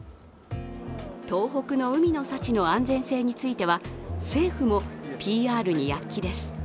東北の海の幸の安全性については、政府もＰＲに躍起です。